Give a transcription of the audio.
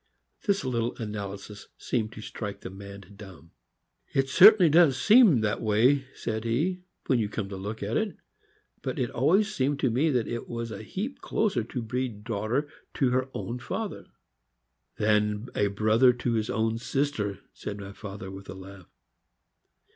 This little analysis seemed to strike the man dumb. " It certainly does seem that way," said he, "when you come to look at it; but it always seemed to me it was a heap closer to breed a daughter to her own father." 204 THE AMEEICAN BOOK OF THE DOG. " Than a brother to his own sister," said my father with a laugh.